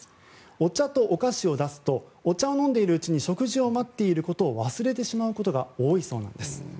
お茶とお菓子を出すとお茶を飲んでいるうちに食事を待っていることを忘れてしまうことが多いそうです。